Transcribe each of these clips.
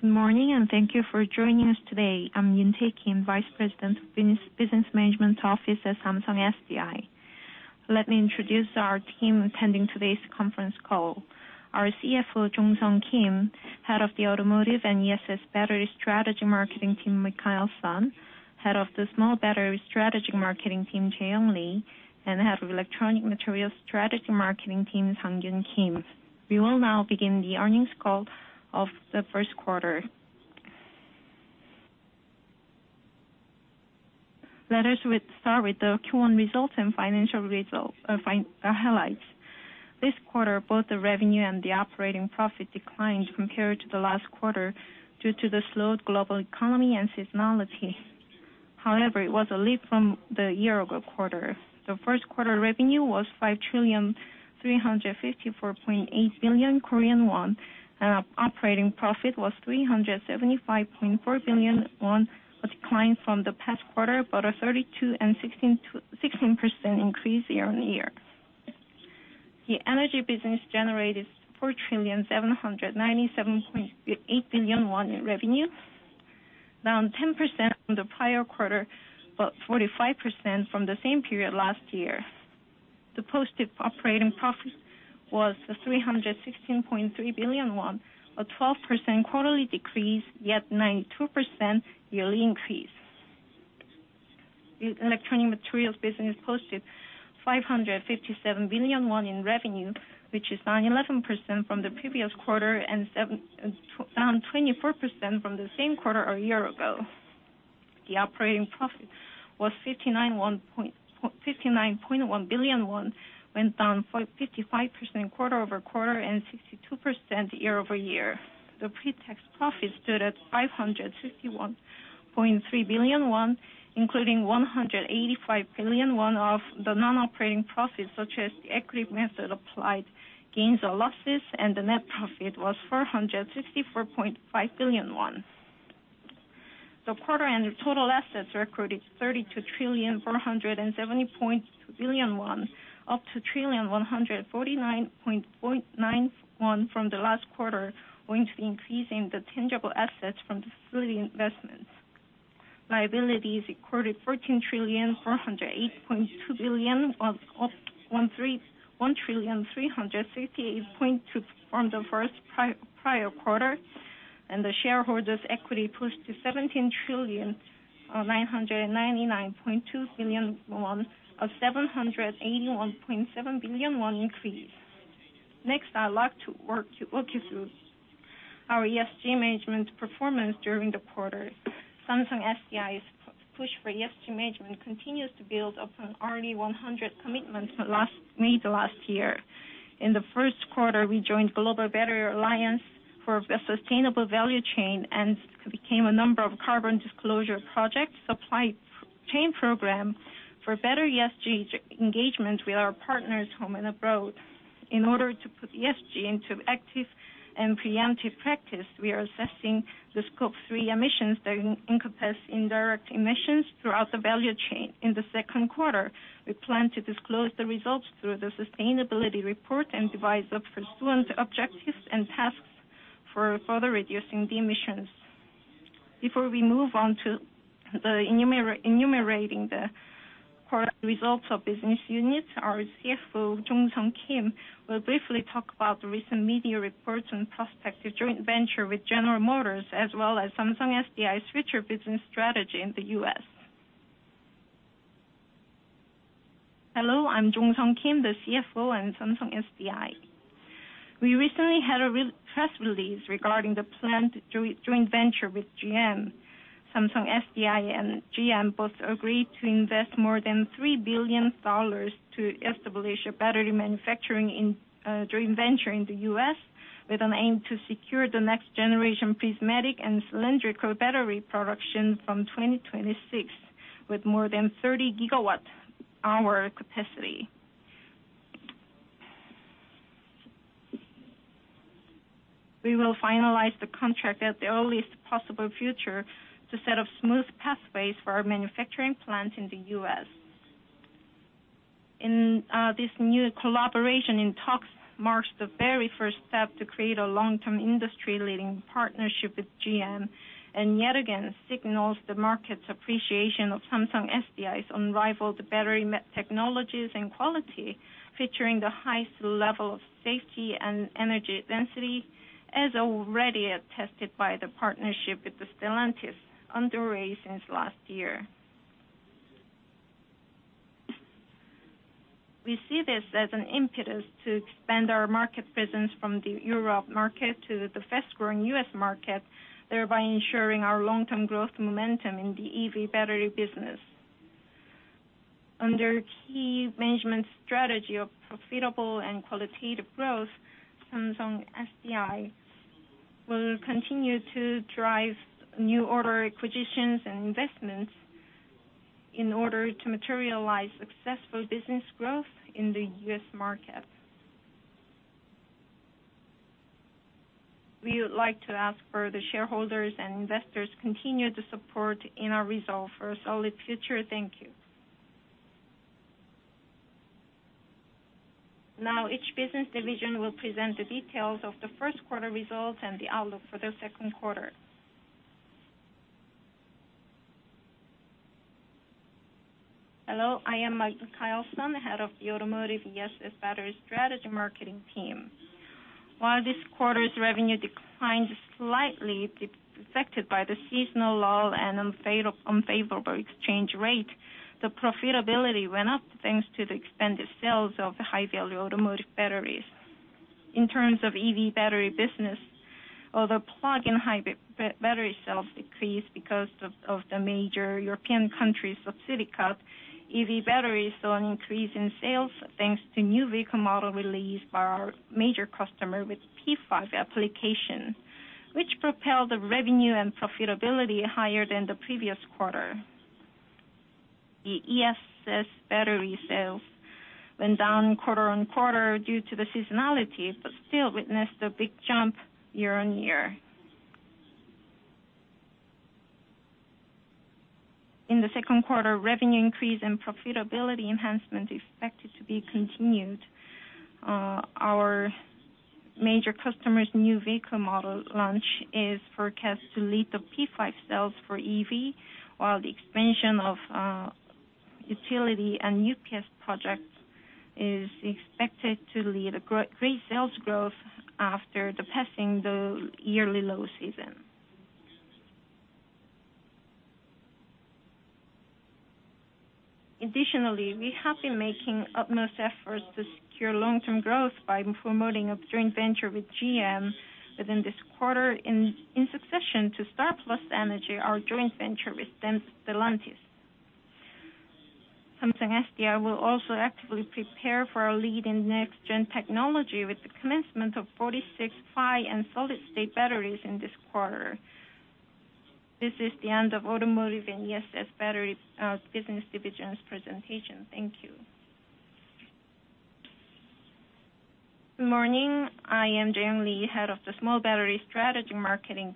Good morning, and thank you for joining us today. I'm Yoon Tae Kim, Vice President, Business Management Office at Samsung SDI. Let me introduce our team attending today's conference call. Our CFO, Jong Sung Kim, Head of the Automotive and ESS Battery Strategy Marketing team, Michael Son, Head of the Small Battery Strategy Marketing team, Jae Young Lee, and Head of Electronic Materials Strategy Marketing team, Sang Kyun Kim. We will now begin the earnings call of the first quarter. Let us with start with the Q1 results and financial highlights. This quarter, both the revenue and the operating profit declined compared to the last quarter due to the slowed global economy and seasonality. However, it was a leap from the year-ago quarter. The first quarter revenue was 5 trillion 354.8 billion, operating profit was 375.4 billion won, a decline from the past quarter, but a 32% and 16% increase year-over-year. The Energy business generated 4 trillion 797.8 billion in revenue, down 10% from the prior-quarter, but 45% from the same period last year. The posted operating profit was 316.3 billion won, a 12% quarterly decrease, yet 92% year-over-year increase. The Electronic Materials business posted 557 billion won in revenue, which is down 11% from the previous quarter and down 24% from the same quarter a year ago. The operating profit was 59.1 billion won, went down 55% quarter-over-quarter and 62% year-over-year. The pre-tax profit stood at 551.3 billion won, including 185 billion won of the non-operating profits, such as the equity method applied gains or losses, and the net profit was 464.5 billion won. The quarter and the total assets recorded 32,470.2 billion won, up to 1 trillion 149.9 billion from the last quarter, owing to the increase in the tangible assets from the facility investments. Liabilities recorded 14 trillion 408.2 billion, up 1 trillion 368.2 billion from the first prior-quarter, and the shareholders' equity pushed to 17 trillion 999.2 billion, a 781.7 billion won increase. Next, I'd like to walk you through our ESG management performance during the quarter. Samsung SDI's push for ESG management continues to build upon RE100 commitments made last year. In the first quarter, we joined Global Battery Alliance for a sustainable value chain and became a number of Carbon Disclosure Project, supply chain program for better ESG engagement with our partners home and abroad. In order to put ESG into active and preemptive practice, we are assessing the Scope 3 emissions that encompass indirect emissions throughout the value chain. In the second quarter, we plan to disclose the results through the sustainability report and devise the pursuant objectives and tasks for further reducing the emissions. Before we move on to enumerating the quarter results of business units, our CFO, Jong Sung Kim, will briefly talk about the recent media reports on prospective joint venture with General Motors, as well as Samsung SDI's future business strategy in the U.S. Hello, I'm Jong Sung Kim, the CFO in Samsung SDI. We recently had a press release regarding the planned joint venture with GM. Samsung SDI and GM both agreed to invest more than $3 billion to establish a battery manufacturing joint venture in the U.S. with an aim to secure the next generation prismatic and cylindrical battery production from 2026, with more than 30 GWh capacity. We will finalize the contract at the earliest possible future to set up smooth pathways for our manufacturing plant in the U.S. This new collaboration and talks marks the very first step to create a long-term industry-leading partnership with GM, and yet again, signals the market's appreciation of Samsung SDI's unrivaled battery technologies and quality, featuring the highest level of safety and energy density, as already attested by the partnership with Stellantis underway since last year. We see this as an impetus to expand our market presence from the Europe market to the fast-growing U.S. market, thereby ensuring our long-term growth momentum in the EV battery business. Under key management strategy of profitable and qualitative growth, Samsung SDI will continue to drive new order acquisitions and investments in order to materialize successful business growth in the U.S. market. We would like to ask for the shareholders and investors continue to support in our resolve for a solid future. Thank you. Each business division will present the details of the first quarter results and the outlook for the second quarter. Hello, I am Michael Son, Head of the Automotive and ESS Battery Strategic Marketing team. While this quarter's revenue declined slightly, affected by the seasonal lull and unfavorable exchange rate, the profitability went up thanks to the expanded sales of high-value automotive batteries. In terms of EV battery business, although plug and hybrid battery cells decreased because of the major European countries' subsidy cut, EV batteries saw an increase in sales thanks to new vehicle model release by our major customer with P5 application, which propelled the revenue and profitability higher than the previous quarter. The ESS battery sales went down quarter on quarter due to the seasonality, but still witnessed a big jump year on year. In the second quarter, revenue increase and profitability enhancement is expected to be continued. Our major customer's new vehicle model launch is forecast to lead the P5 sales for EV, while the expansion of utility and UPS projects is expected to lead a great sales growth after the passing the yearly low season. Additionally, we have been making utmost efforts to secure long-term growth by promoting a joint venture with GM within this quarter in succession to StarPlus Energy, our joint venture with Stellantis. Samsung SDI will also actively prepare for our lead in next gen technology with the commencement of 46-phi and solid state batteries in this quarter. This is the end of Automotive and ESS Battery business divisions presentation. Thank you. Good morning. I am Jae Young Lee, Head of Small Batteries Strategic Marketing.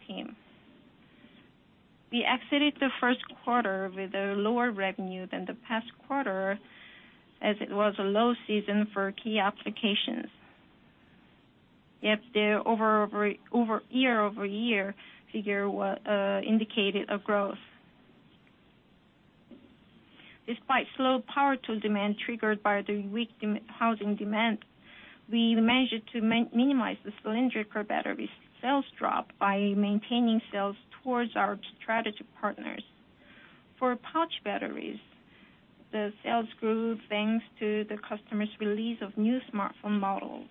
We exited the first quarter with a lower revenue than the past quarter, as it was a low season for key applications. The year-over-year figure indicated a growth. Despite slow power tool demand triggered by the weak housing demand, we managed to minimize the cylindrical battery sales drop by maintaining sales towards our strategy partners. For pouch batteries, the sales grew thanks to the customer's release of new smartphone models.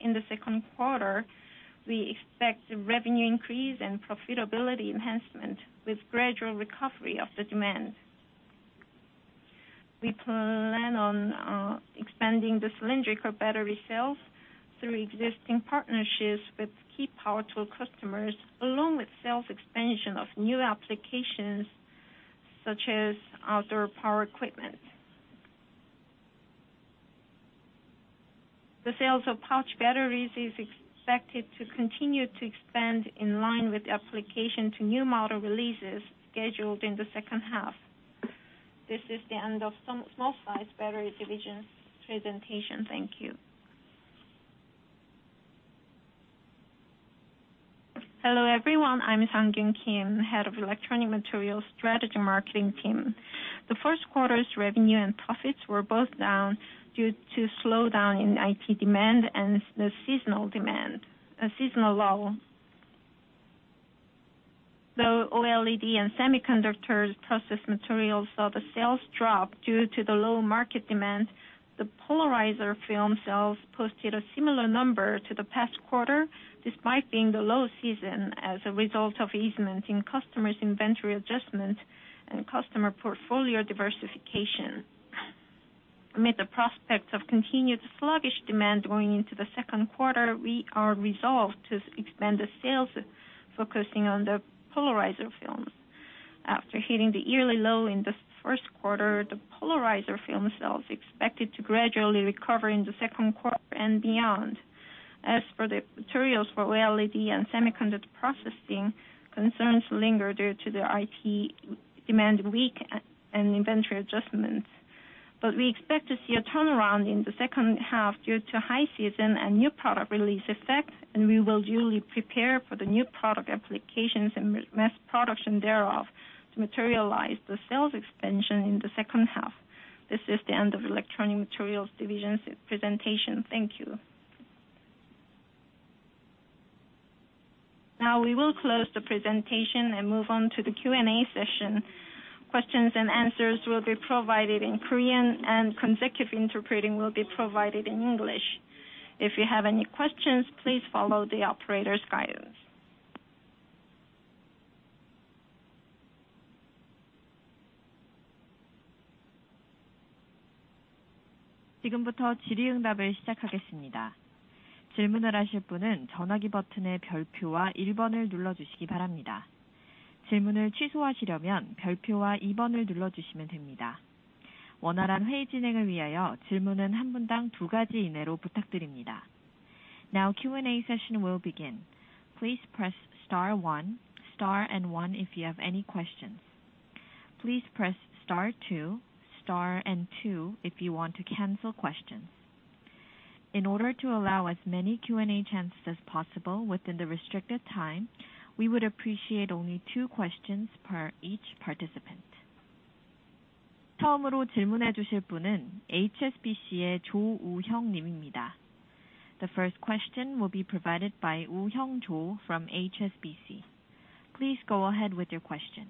In the second quarter, we expect revenue increase and profitability enhancement with gradual recovery of the demand. We plan on expanding the cylindrical battery sales through existing partnerships with key power tool customers, along with sales expansion of new applications such as outdoor power equipment. The sales of pouch batteries is expected to continue to expand in line with the application to new model releases scheduled in the second half. This is the end of some small size battery division presentation. Thank you. Hello, everyone. I'm Sang Kyun Kim, Head of Electronic Materials Strategy Marketing Team. The first quarter's revenue and profits were both down due to slowdown in IT demand and the seasonal demand, a seasonal lull. Though OLED and semiconductors process materials saw the sales drop due to the low market demand, the polarizer film sales posted a similar number to the past quarter, despite being the low season as a result of easement in customers' inventory adjustment and customer portfolio diversification. Amid the prospects of continued sluggish demand going into the second quarter, we are resolved to expand the sales focusing on the polarizer films. After hitting the yearly low in the first quarter, the polarizer film sales expected to gradually recover in the second quarter and beyond. As for the materials for OLED and semiconductor processing, concerns linger due to the IT demand weak and inventory adjustments. We expect to see a turnaround in the second half due to high season and new product release effect, and we will duly prepare for the new product applications and mass production thereof to materialize the sales expansion in the second half. This is the end of Electronic Materials Division's presentation. Thank you. Now we will close the presentation and move on to the Q&A session. Questions and answers will be provided in Korean, and consecutive interpreting will be provided in English. If you have any questions, please follow the operator's guidance. Now Q&A session will begin. Please press star one, star and one if you have any questions. Please press star two, star and two if you want to cancel questions. In order to allow as many Q&A chances as possible within the restricted time, we would appreciate only two questions per each participant. The first question will be provided by Woo-Hyung Cho from HSBC. Please go ahead with your question.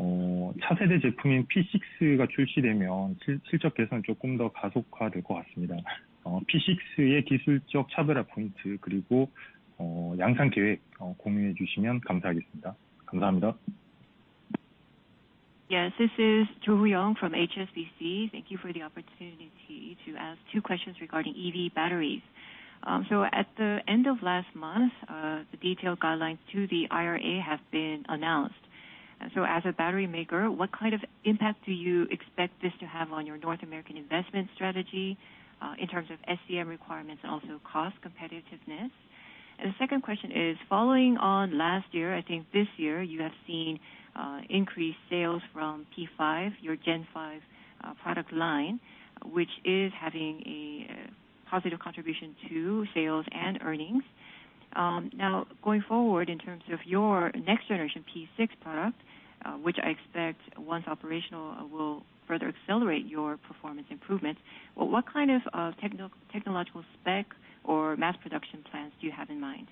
Yes, this is Woo-Hyung Cho from HSBC. Thank you for the opportunity to ask two questions regarding EV batteries. At the end of last month, the detailed guidelines to the IRA have been announced. As a battery maker, what kind of impact do you expect this to have on your North American investment strategy in terms of SCM requirements and also cost competitiveness? The second question is following on last year, I think this year you have seen increased sales from P5, your Gen 5 product line, which is having a positive contribution to sales and earnings. Now going forward, in terms of your next generation P6 product, which I expect once operational will further accelerate your performance improvement, what kind of technological spec or mass production plans do you have in mind?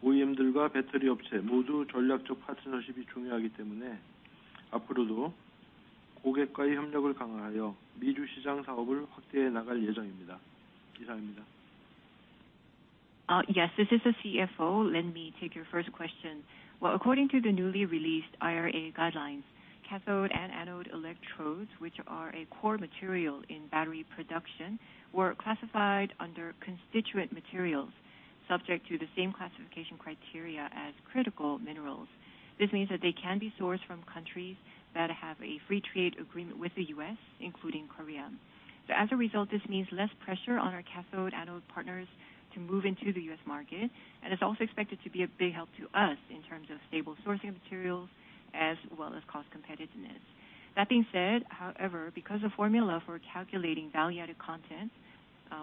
This is the CFO. Let me take your first question. According to the newly released IRA guidelines, cathode and anode electrodes, which are a core material in battery production, were classified under constituent materials subject to the same classification criteria as critical minerals. This means that they can be sourced from countries that have a free trade agreement with the U.S., including Korea. As a result, this means less pressure on our cathode anode partners to move into the U.S. market. It's also expected to be a big help to us in terms of stable sourcing materials as well as cost competitiveness. That being said, however, because the formula for calculating value added content,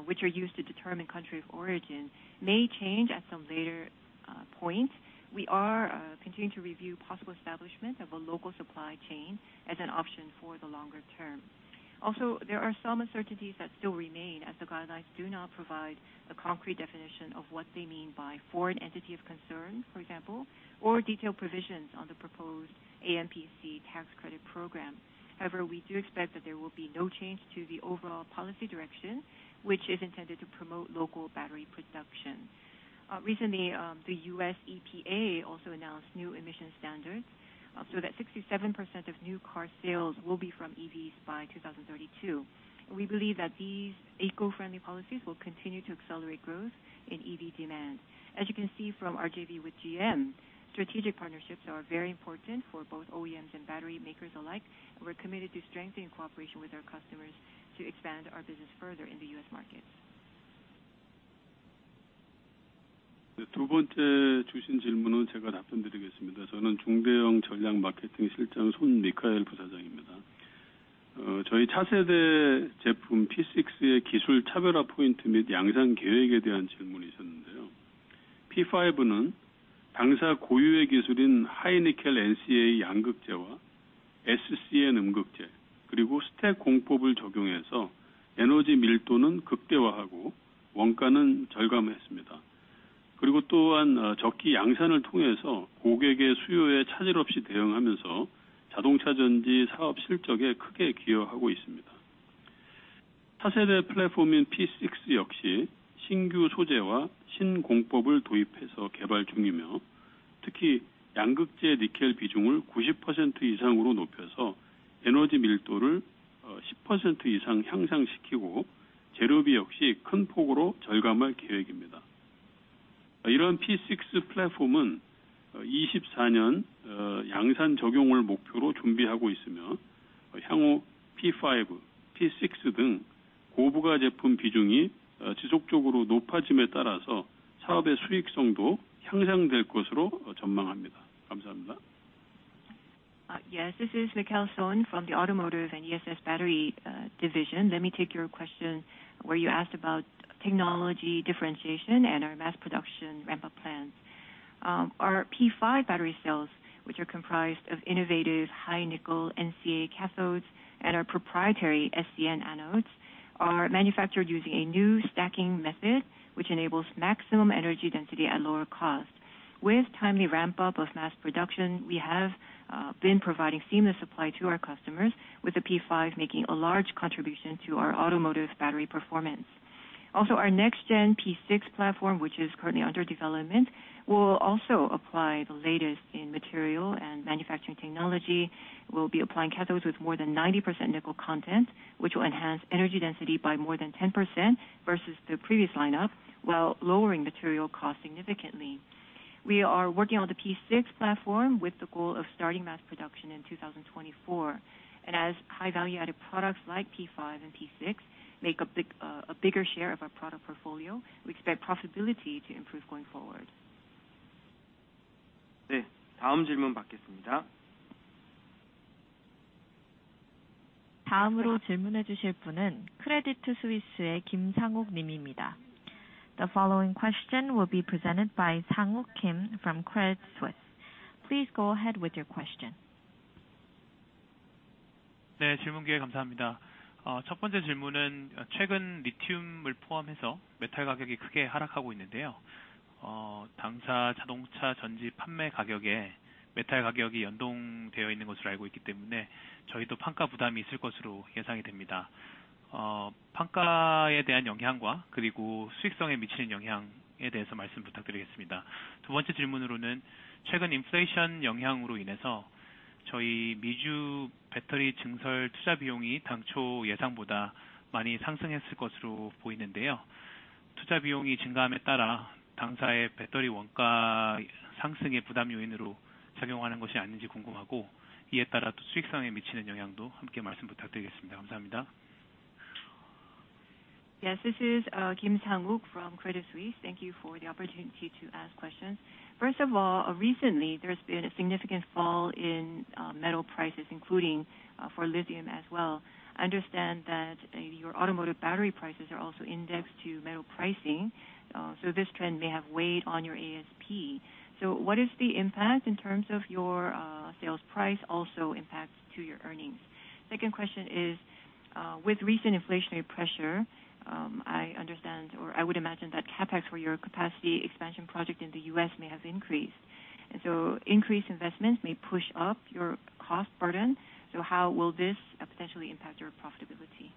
which are used to determine country of origin may change at some later point. We are continuing to review possible establishment of a local supply chain as an option for the longer term. There are some uncertainties that still remain as the guidelines do not provide a concrete definition of what they mean by foreign entity of concern, for example, or detailed provisions on the proposed AMPC tax credit program. We do expect that there will be no change to the overall policy direction, which is intended to promote local battery production. Recently, the U.S. EPA also announced new emission standards so that 67% of new car sales will be from EVs by 2032. We believe that these eco-friendly policies will continue to accelerate growth in EV demand. As you can see from our JV with GM, strategic partnerships are very important for both OEMs and battery makers alike, and we're committed to strengthening cooperation with our customers to expand our business further in the U.S. market. P5는 당사 고유의 기술인 하이니켈 NCA 양극재와 SCN 음극재, 그리고 스택 공법을 적용해서 에너지 밀도는 극대화하고 원가는 절감했습니다. 그리고 또한 어 적기 양산을 통해서 고객의 수요에 차질 없이 대응하면서 자동차 전지 사업 실적에 크게 기여하고 있습니다. 차세대 플랫폼인 P6 역시 신규 소재와 신공법을 도입해서 개발 중이며, 특히 양극재 니켈 비중을 구십 퍼센트 이상으로 높여서 에너지 밀도를 어십 퍼센트 이상 향상시키고 재료비 역시 큰 폭으로 절감할 계획입니다. 이런 P6 플랫폼은 어 이십사년 어 양산 적용을 목표로 준비하고 있으며, 향후 P5, P6 등 고부가 제품 비중이 어 지속적으로 높아짐에 따라서 사업의 수익성도 향상될 것으로 어 전망합니다. 감사합니다. Yes, this is Michael Son from the Automotive and ESS Battery Division. Let me take your question where you asked about technology differentiation and our mass production ramp-up plans. Our P5 battery cells, which are comprised of innovative high-nickel NCA cathodes and our proprietary SCN anodes, are manufactured using a new stacking method, which enables maximum energy density at lower cost. With timely ramp-up of mass production, we have been providing seamless supply to our customers with the P5 making a large contribution to our automotive battery performance. Our next-gen P6 platform, which is currently under development, will also apply the latest in material and manufacturing technology. We'll be applying cathodes with more than 90% nickel content, which will enhance energy density by more than 10% versus the previous lineup while lowering material cost significantly. We are working on the P6 platform with the goal of starting mass production in 2024. As high value-added products like P5 and P6 make a big, a bigger share of our product portfolio, we expect profitability to improve going forward. 네, 다음 질문 받겠습니다. 다음으로 질문해 주실 분은 Credit Suisse의 김상욱 님입니다. The following question will be presented by Sang Uk Kim from Credit Suisse. Please go ahead with your question. 네, 질문 기회 감사합니다. 첫 번째 질문은 최근 리튬을 포함해서 메탈 가격이 크게 하락하고 있는데요. 당사 자동차 전지 판매 가격에 메탈 가격이 연동되어 있는 것으로 알고 있기 때문에 저희도 판가 부담이 있을 것으로 예상이 됩니다. 판가에 대한 영향과 그리고 수익성에 미치는 영향에 대해서 말씀 부탁드리겠습니다. 두 번째 질문으로는 최근 인플레이션 영향으로 인해서 저희 미주 배터리 증설 투자 비용이 당초 예상보다 많이 상승했을 것으로 보이는데요. 투자 비용이 증가함에 따라 당사의 배터리 원가 상승의 부담 요인으로 작용하는 것이 아닌지 궁금하고, 이에 따라 또 수익성에 미치는 영향도 함께 말씀 부탁드리겠습니다. 감사합니다. Yes, this is Sang Uk Kim from Credit Suisse. Thank you for the opportunity to ask questions. First of all, recently there's been a significant fall in metal prices, including for lithium as well. I understand that your automotive battery prices are also indexed to metal pricing, so this trend may have weighed on your ASP. What is the impact in terms of your sales price also impact to your earnings? Second question is, with recent inflationary pressure, I understand, or I would imagine that CapEx for your capacity expansion project in the U.S. may have increased, and so increased investments may push up your cost burden. How will this potentially impact your profitability?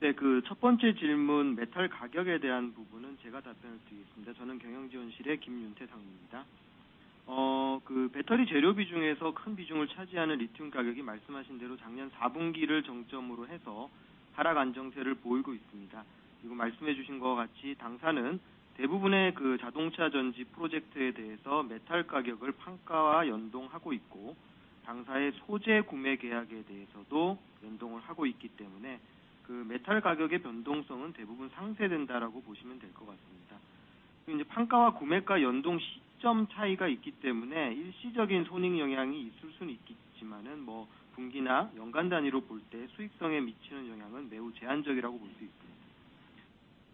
네, 그첫 번째 질문, 메탈 가격에 대한 부분은 제가 답변할 수 있겠습니다. 저는 경영지원실의 김윤태 상무입니다. 어, 그 배터리 재료 비중에서 큰 비중을 차지하는 리튬 가격이 말씀하신 대로 작년 사 분기를 정점으로 해서 하락 안정세를 보이고 있습니다. 그리고 말씀해 주신 것과 같이 당사는 대부분의 그 자동차 전지 프로젝트에 대해서 메탈 가격을 판가와 연동하고 있고, 당사의 소재 구매 계약에 대해서도 연동을 하고 있기 때문에 그 메탈 가격의 변동성은 대부분 상쇄된다라고 보시면 될것 같습니다. 이제 판가와 구매가 연동 시점 차이가 있기 때문에 일시적인 손익 영향이 있을 수는 있겠지만은 뭐 분기나 연간 단위로 볼때 수익성에 미치는 영향은 매우 제한적이라고 볼수 있고요.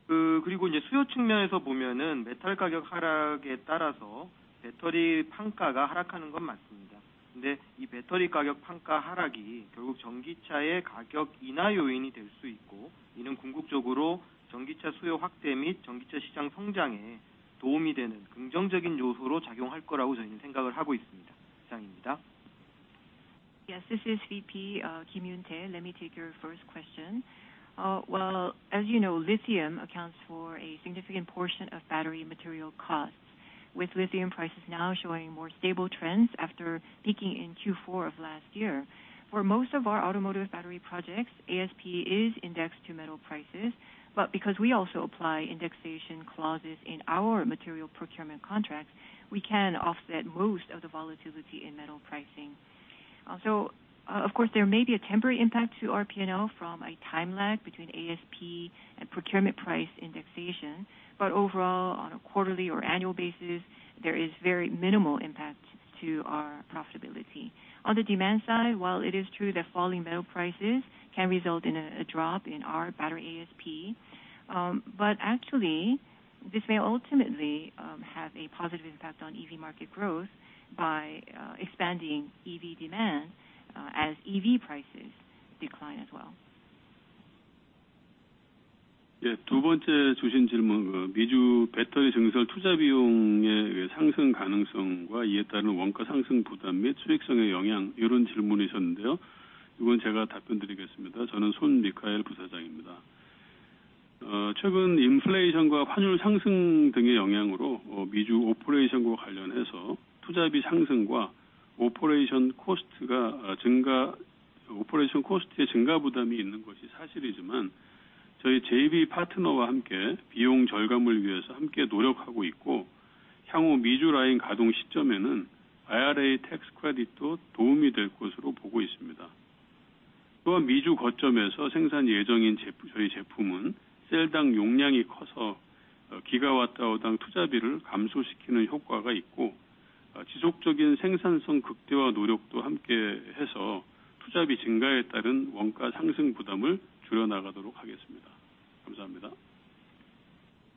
그 그리고 이제 수요 측면에서 보면은 메탈 가격 하락에 따라서 배터리 판가가 하락하는 건 맞습니다. 근데 이 배터리 가격 판가 하락이 결국 전기차의 가격 인하 요인이 될수 있고, 이는 궁극적으로 전기차 수요 확대 및 전기차 시장 성장에 도움이 되는 긍정적인 요소로 작용할 거라고 저희는 생각을 하고 있습니다. 이상입니다. Yes, this is VP Yoon Tae Kim. Let me take your first question. Well, as you know, lithium accounts for a significant portion of battery material costs, with lithium prices now showing more stable trends after peaking in Q4 of last year. For most of our automotive battery projects, ASP is indexed to metal prices. Because we also apply indexation clauses in our material procurement contracts, we can offset most of the volatility in metal pricing. Of course, there may be a temporary impact to our P&L from a time lag between ASP and procurement price indexation. Overall, on a quarterly or annual basis, there is very minimal impact to our profitability. On the demand side, while it is true that falling metal prices can result in a drop in our battery ASP, This may ultimately have a positive impact on EV market growth by expanding EV demand as EV prices decline as well.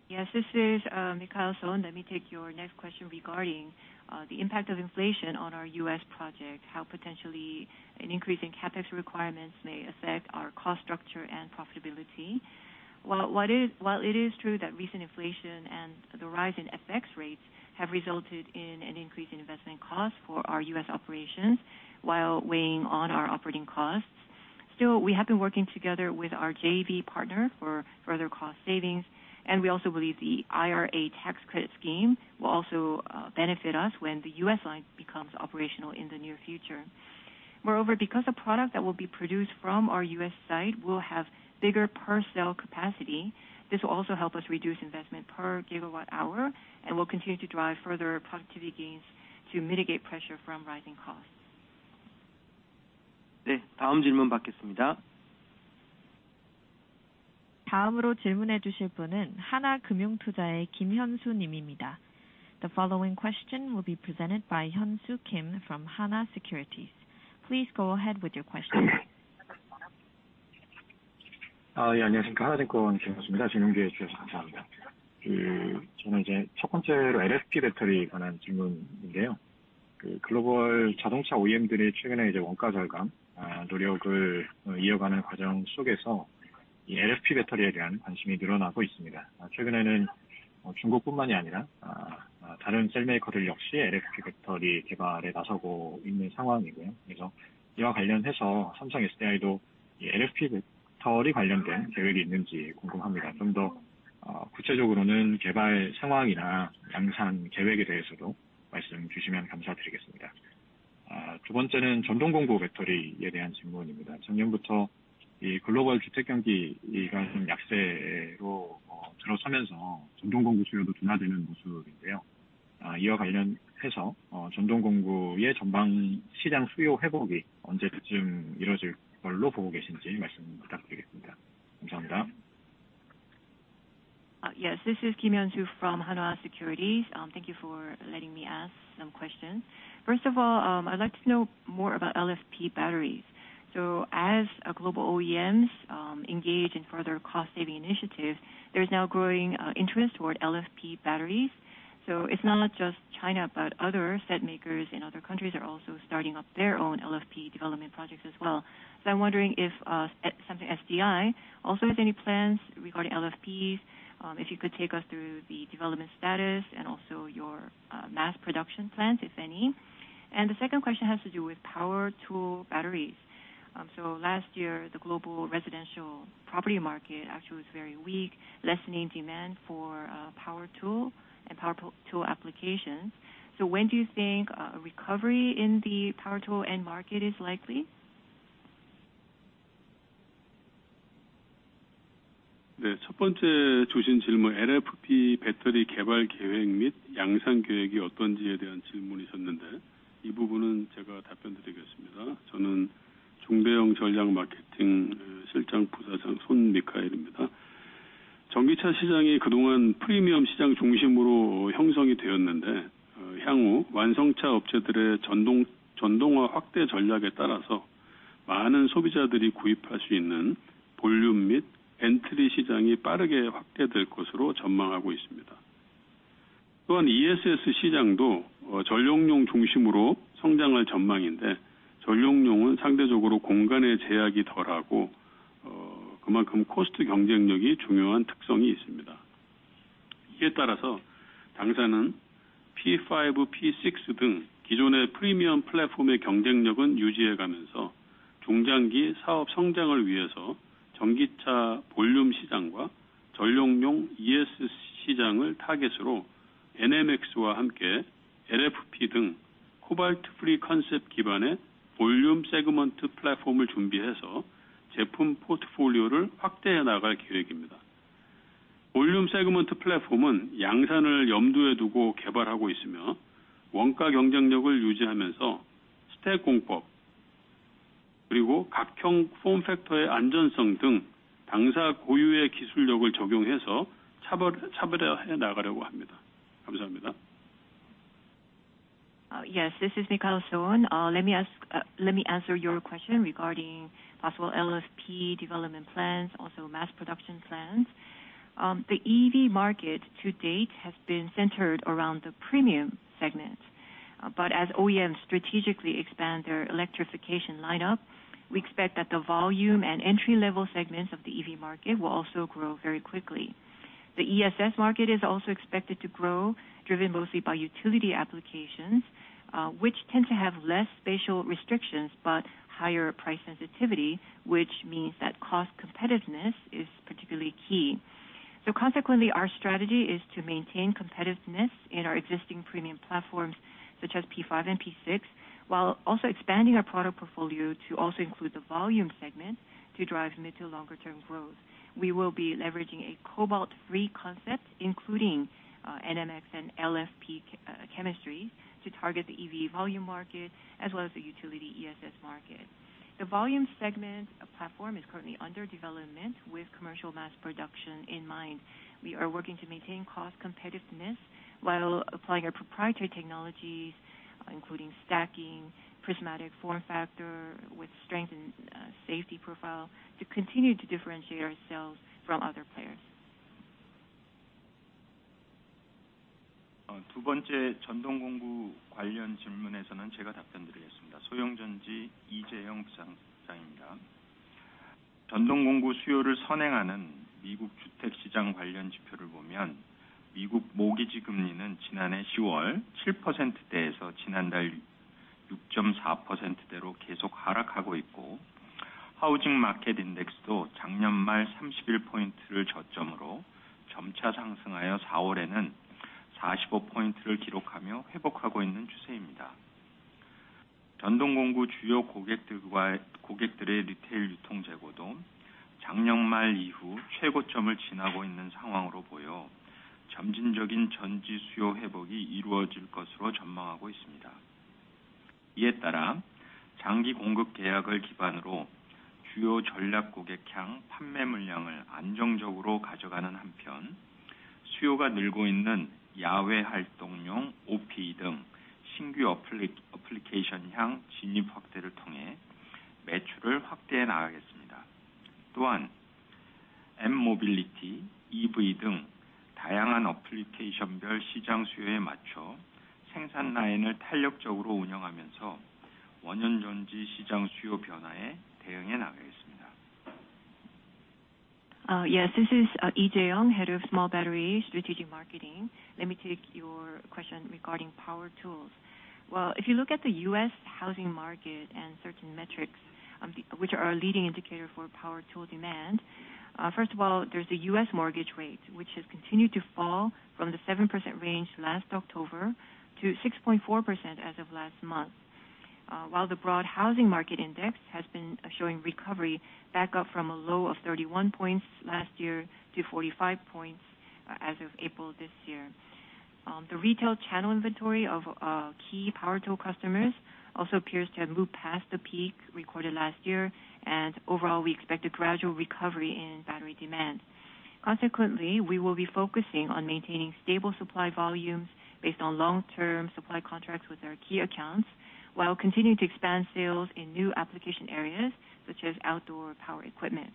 Yes, this is Michael Son. Let me take your next question regarding the impact of inflation on our U.S. project, how potentially an increase in CapEx requirements may affect our cost structure and profitability. Well, while it is true that recent inflation and the rise in FX rates have resulted in an increase in investment costs for our U.S. operations while weighing on our operating costs, still, we have been working together with our JV partner for further cost savings. We also believe the IRA tax credit scheme will also benefit us when the U.S. line becomes operational in the near future. Moreover, because the product that will be produced from our U.S. site will have bigger per cell capacity, this will also help us reduce investment per gigawatt-hour, and we'll continue to drive further productivity gains to mitigate pressure from rising costs. The following question will be presented by Hyun-Soo Kim from Hana Securities. Please go ahead with your question. Yes, this is Hyun-Soo Kim from Hana Securities. Thank you for letting me ask some questions. First of all, I'd like to know more about LFP batteries. As global OEMs engage in further cost saving initiatives, there's now growing interest toward LFP batteries. It's not just China, but other set makers in other countries are also starting up their own LFP development projects as well. I'm wondering if Samsung SDI also has any plans regarding LFPs, if you could take us through the development status and also your mass production plans, if any. The second question has to do with power tool batteries. Last year, the global residential property market actually was very weak, lessening demand for power tool and power tool applications. When do you think a recovery in the power tool end market is likely? Yes, this is Michael Son. Let me answer your question regarding possible LFP development plans, also mass production plans. As OEM strategically expand their electrification line up, we expect that the volume and entry level segments of the EV market will also grow very quickly. The ESS market is also expected to grow, driven mostly by utility applications, which tend to have less spatial restrictions but higher price sensitivity, which means that cost competitiveness is particularly key. Consequently, our strategy is to maintain competitiveness in our existing premium platforms such as P5 and P6, while also expanding our product portfolio to also include the volume segment to drive mid to longer term growth. We will be leveraging a cobalt-free concept, including NMX and LFP chemistry to target the EV volume market as well as the utility ESS market. The volume segment platform is currently under development with commercial mass production in mind. We are working to maintain cost competitiveness while applying our proprietary technologies, including stacking prismatic form factor with strength and safety profile to continue to differentiate ourselves from other players. Yes, this is Jae Young Lee, Head of Small Batteries Strategic Marketing. Let me take your question regarding power tools. Well, if you look at the U.S. housing market and certain metrics, which are a leading indicator for power tool demand, first of all, there's the U.S. mortgage rate, which has continued to fall from the 7% range last October to 6.4% as of last month. While the broad Housing Market Index has been showing recovery back up from a low of 31 points last year to 45 points as of April this year. The retail channel inventory of key power tool customers also appears to have moved past the peak recorded last year, and overall, we expect a gradual recovery in battery demand. Consequently, we will be focusing on maintaining stable supply volumes based on long term supply contracts with our key accounts, while continuing to expand sales in new application areas such as outdoor power equipment.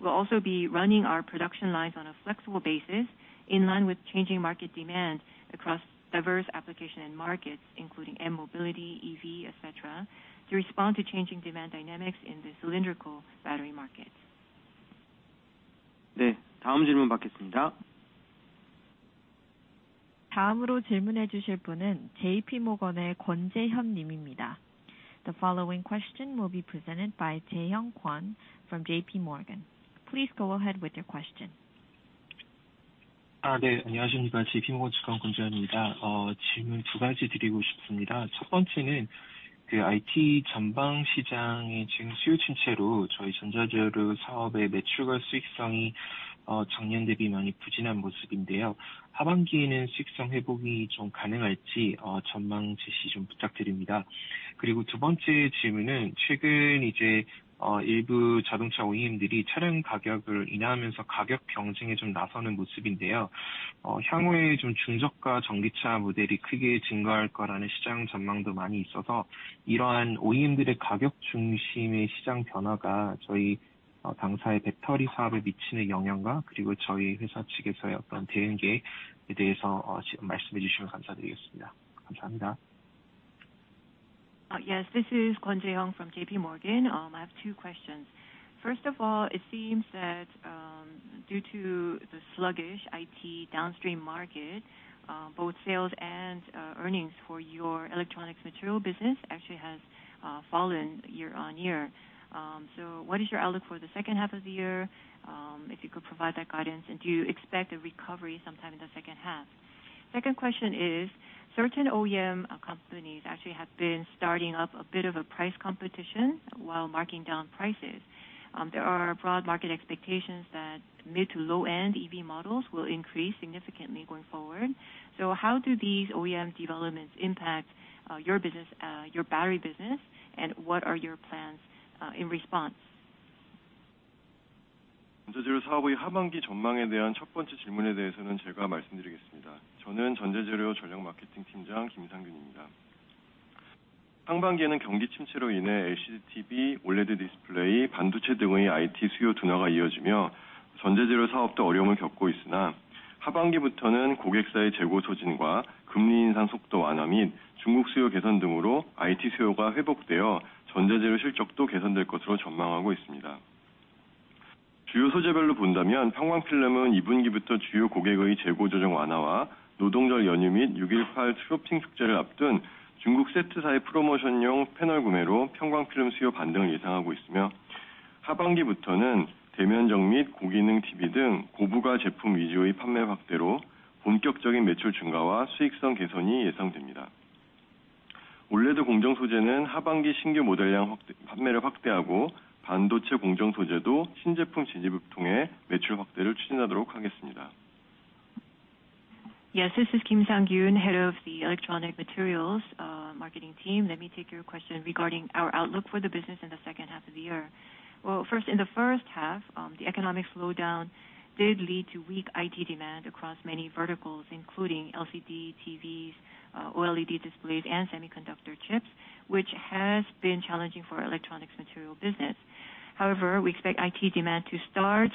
We'll also be running our production lines on a flexible basis in line with changing market demand across diverse application and markets, including air mobility, EV, et cetera, to respond to changing demand dynamics in the cylindrical battery market. The following question will be presented by Jay Hyun Kwon from JPMorgan. Please go ahead with your question. Yes, this is Jay Hyun Kwon from JPMorgan. I have two questions. First of all, it seems that due to the sluggish IT downstream market, both sales and earnings for your electronics material business actually has fallen year-over-year. What is your outlook for the second half of the year? If you could provide that guidance? Do you expect a recovery sometime in the second half? Second question is, certain OEM companies actually have been starting up a bit of a price competition while marking down prices. There are broad market expectations that mid to low end EV models will increase significantly going forward. How do these OEM developments impact your business, your battery business and what are your plans in response? 전자재료 사업의 하방기 전망에 대한 첫 번째 질문에 대해서는 제가 말씀드리겠습니다. 저는 전자재료 전략마케팅팀장 김상균입니다. 상반기에는 경기 침체로 인해 LCD TV, OLED 디스플레이, 반도체 등의 IT 수요 둔화가 이어지며 전자재료 사업도 어려움을 겪고 있으나 하반기부터는 고객사의 재고 소진과 금리 인상 속도 완화 및 중국 수요 개선 등으로 IT 수요가 회복되어 전자재료 실적도 개선될 것으로 전망하고 있습니다. 주요 소재별로 본다면 편광필름은 이 분기부터 주요 고객의 재고 조정 완화와 노동절 연휴 및618 쇼핑 축제를 앞둔 중국 세트사의 프로모션용 패널 구매로 편광필름 수요 반등을 예상하고 있으며, 하반기부터는 대면적 및 고기능 TV 등 고부가 제품 위주의 판매 확대로 본격적인 매출 증가와 수익성 개선이 예상됩니다. OLED 공정 소재는 하반기 신규 모델의 판매를 확대하고, 반도체 공정 소재도 신제품 진입을 통해 매출 확대를 추진하도록 하겠습니다. Yes, this is Kim Sang Kyun, Head of the Electronic Materials marketing team. Let me take your question regarding our outlook for the business in the second half of the year. Well, first, in the first half, the economic slowdown did lead to weak IT demand across many verticals, including LCD TVs, OLED displays and semiconductor chips, which has been challenging for Electronic Materials business. However, we expect IT demand to start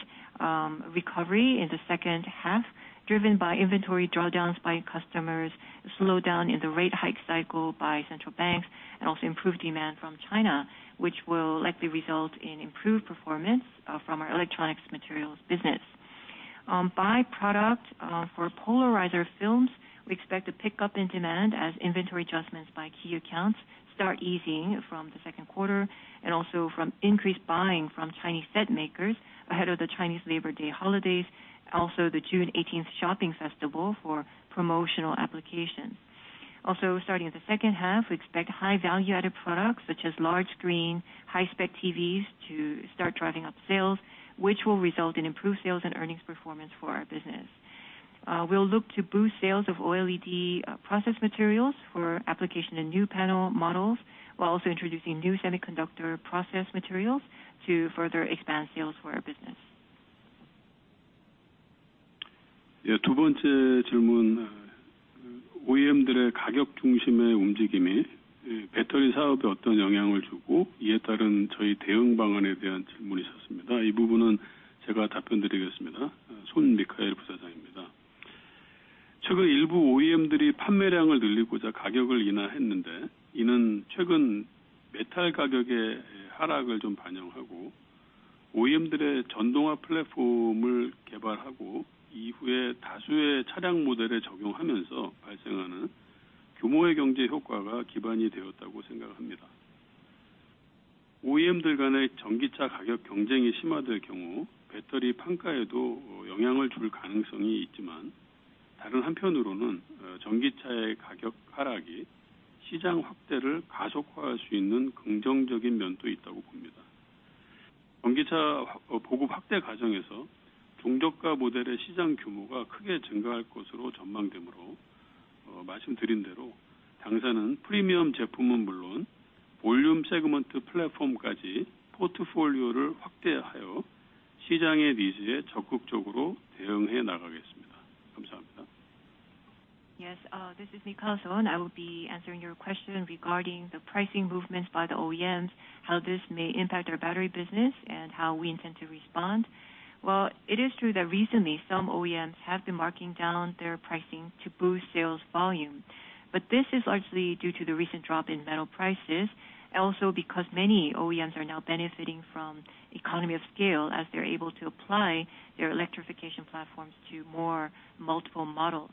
recovery in the second half, driven by inventory drawdowns by customers, slowdown in the rate hike cycle by central banks, and also improved demand from China, which will likely result in improved performance, from our Electronic Materials business. By product, for polarizer film, we expect to pick up in demand as inventory adjustments by key accounts start easing from the second quarter and also from increased buying from Chinese set makers ahead of the Chinese Labor Day holidays, also the 618 Shopping Festival for promotional applications. Starting in the second half, we expect high value added products such as large screen, high spec TVs to start driving up sales, which will result in improved sales and earnings performance for our business. We'll look to boost sales of OLED process materials for application and new panel models, while also introducing new semiconductor process materials to further expand sales for our business. 예, 두 번째 질문. OEM들의 가격 중심의 움직임이 배터리 사업에 어떤 영향을 주고 이에 따른 저희 대응 방안에 대한 질문이 있었습니다. 이 부분은 제가 답변드리겠습니다. 손미카엘 부사장입니다. 최근 일부 OEM들이 판매량을 늘리고자 가격을 인하했는데, 이는 최근 메탈 가격의 하락을 좀 반영하고 OEM들의 전동화 플랫폼을 개발하고 이후에 다수의 차량 모델에 적용하면서 발생하는 규모의 경제 효과가 기반이 되었다고 생각합니다. OEM들 간의 전기차 가격 경쟁이 심화될 경우 배터리 판가에도 영향을 줄 가능성이 있지만, 다른 한편으로는, 어, 전기차의 가격 하락이 시장 확대를 가속화할 수 있는 긍정적인 면도 있다고 봅니다. 전기차, 어, 보급 확대 과정에서 중저가 모델의 시장 규모가 크게 증가할 것으로 전망되므로, 어, 말씀드린 대로 당사는 프리미엄 제품은 물론 volume segment 플랫폼까지 포트폴리오를 확대하여 시장의 니즈에 적극적으로 대응해 나가겠습니다. 감사합니다. Yes. This is Michael Son. I will be answering your question regarding the pricing movements by the OEMs, how this may impact our battery business and how we intend to respond. It is true that recently some OEMs have been marking down their pricing to boost sales volume, but this is largely due to the recent drop in metal prices, and also because many OEMs are now benefiting from economy of scale as they're able to apply their electrification platforms to more multiple models.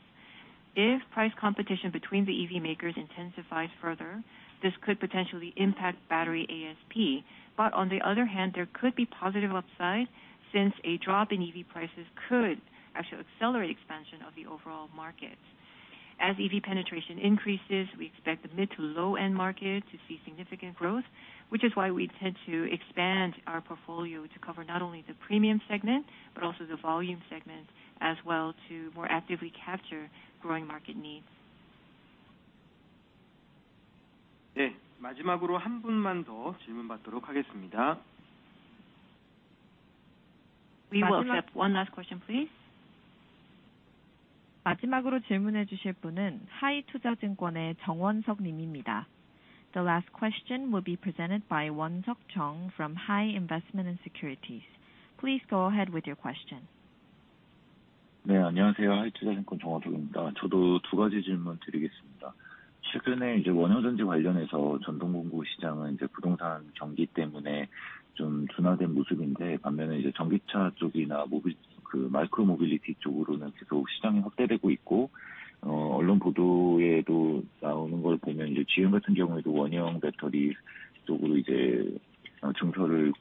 If price competition between the EV makers intensifies further, this could potentially impact battery ASP. On the other hand, there could be positive upside, since a drop in EV prices could actually accelerate expansion of the overall market. As EV penetration increases, we expect the mid to low end market to see significant growth, which is why we intend to expand our portfolio to cover not only the premium segment, but also the volume segment as well to more actively capture growing market needs. 네, 마지막으로 한 분만 더 질문 받도록 하겠습니다. We will accept one last question please. 마지막으로 질문해 주실 분은 하이투자증권의 정원석 님입니다. The last question will be presented by Won Suk Chung from HI Investment and Securities. Please go ahead with your question. 네, 안녕하세요. 하이투자증권 정원석입니다. 저도 두 가지 질문드리겠습니다. 최근에 이제 원형 전지 관련해서 전동공구 시장은 이제 부동산 경기 때문에 좀 둔화된 모습인데, 반면에 이제 전기차 쪽이나 모비-- 그, 마이크로 모빌리티 쪽으로는 계속 시장이 확대되고 있고, 어, 언론 보도에도 나오는 걸 보면 이제 GM 같은 경우에도 원형 배터리 쪽으로 이제 어, 증설을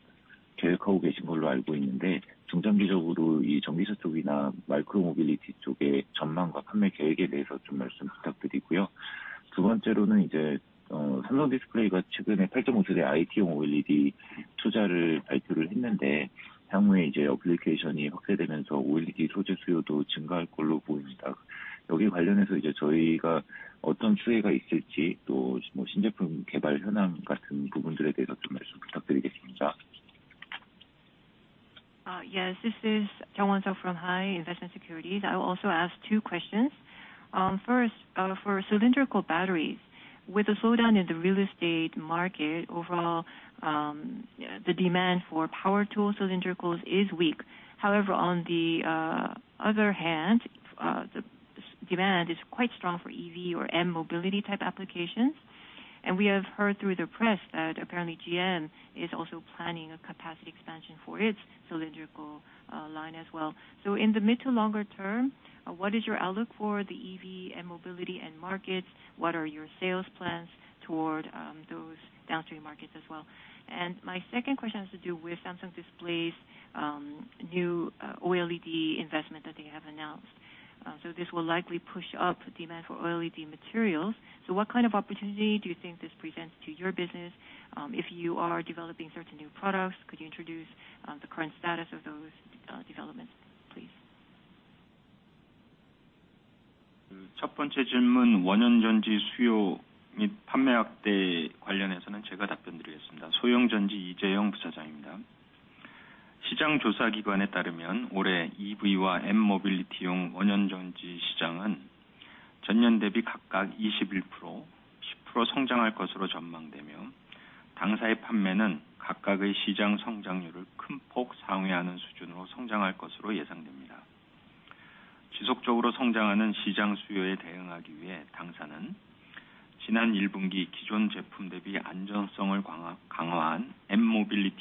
계획하고 계신 걸로 알고 있는데, 중장기적으로 이 전기차 쪽이나 마이크로 모빌리티 쪽의 전망과 판매 계획에 대해서 좀 말씀 부탁드리고요. 두 번째로는 이제, 어, 삼성디스플레이가 최근에 8.6세대 IT용 OLED 투자를 발표를 했는데 향후에 이제 애플리케이션이 확대되면서 OLED 소재 수요도 증가할 걸로 보입니다. 여기 관련해서 이제 저희가 어떤 추이가 있을지, 또 뭐, 신제품 개발 현황 같은 부분들에 대해서 좀 말씀 부탁드리겠습니다. Yes, this is Won Suk Chung from HI Investment and Securities. I will also ask two questions. First, for cylindrical batteries, with the slowdown in the real estate market overall, the demand for power tools cylindrical is weak. However, on the other hand, the demand is quite strong for EV or m-mobility type applications. We have heard through the press that apparently GM is also planning a capacity expansion for its cylindrical line as well. In the mid to longer term, what is your outlook for the EV and mobility end markets? What are your sales plans toward those downstream markets as well? My second question has to do with Samsung Display's new OLED investment that they have announced. This will likely push up demand for OLED materials. What kind of opportunity do you think this presents to your business if you are developing certain new products? Could you introduce the current status of those developments, please?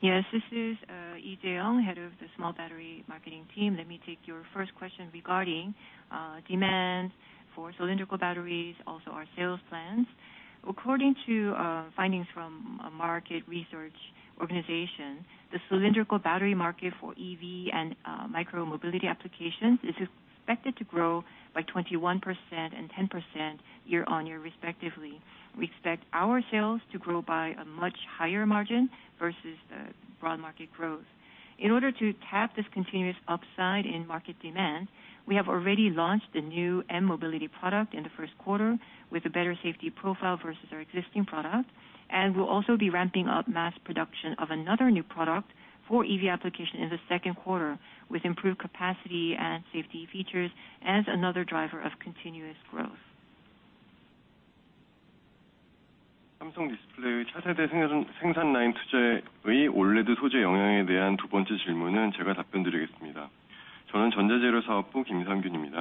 Yes, this is Jae Young Lee, Head of the Small Battery Marketing Team. Let me take your first question regarding demand for cylindrical batteries, also our sales plans. According to findings from a market research organization, the cylindrical battery market for EV and micro-mobility applications is expected to grow by 21% and 10% year-over-year, respectively. We expect our sales to grow by a much higher margin versus the broad market growth. In order to tap this continuous upside in market demand, we have already launched a new m-mobility product in the 1st quarter with a better safety profile versus our existing product. We'll also be ramping up mass production of another new product for EV application in the 2nd quarter, with improved capacity and safety features as another driver of continuous growth. Yes, this is the Head of the Electronic Materials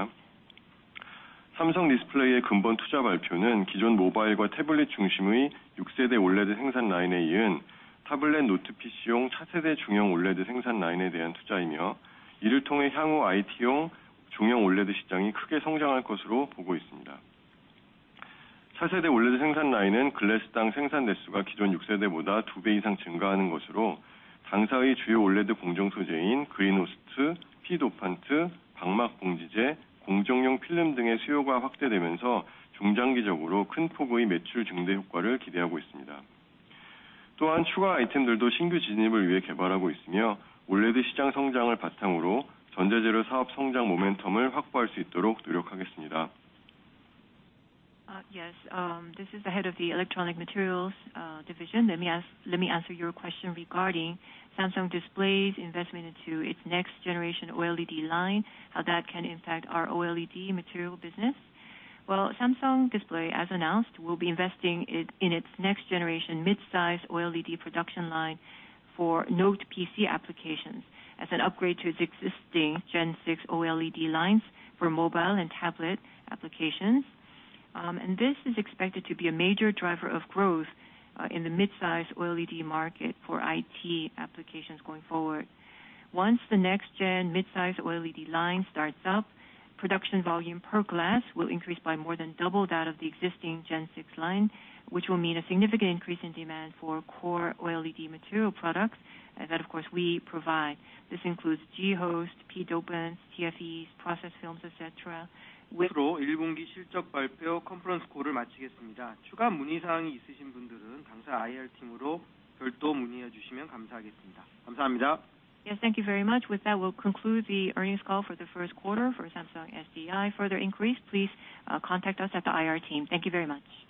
Division. Let me answer your question regarding Samsung Display's investment into its next generation OLED line, how that can impact our OLED material business. Well, Samsung Display, as announced, will be investing it in its next generation mid-size OLED production line for Note PC applications as an upgrade to its existing Gen 6 OLED lines for mobile and tablet applications. And this is expected to be a major driver of growth in the mid-size OLED market for IT applications going forward. Once the next gen mid-size OLED line starts up, production volume per glass will increase by more than double that of the existing Gen 6 line, which will mean a significant increase in demand for core OLED material products that of course we provide. This includes Green Host, p-dopants, TFEs, process films, et cetera. Yes, thank you very much. With that, we'll conclude the earnings call for the first quarter for Samsung SDI. Further inquiries, please contact us at the IR team. Thank you very much.